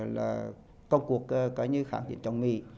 là công cuộc kháng chiến trong mỹ